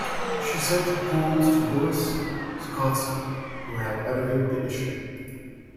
She sent her poems to Louis Zukofsky, who had edited the issue.